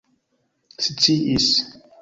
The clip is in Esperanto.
sciis